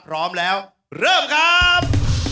พร้อมแล้วเริ่มครับ